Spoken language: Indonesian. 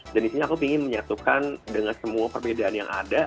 dan disini aku ingin menyatukan dengan semua perbedaan yang ada